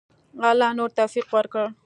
الله نور توفیق ورکړه.